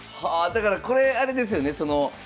だからこれあれですよね。